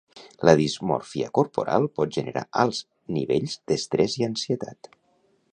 La dismòrfia corporal pot generar alts nivells d'estrès i ansietat.